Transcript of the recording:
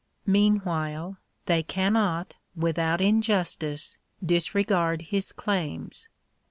Mean while, they cannot without injustice disregard his claims.